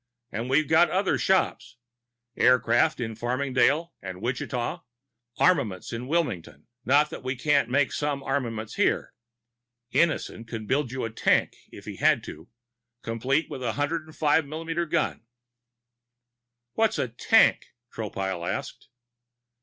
And we've got other shops aircraft in Farmingdale and Wichita, armaments in Wilmington. Not that we can't make some armaments here. Innison could build you a tank if he had to, complete with 105 millimeter gun." "What's a tank?" Tropile asked.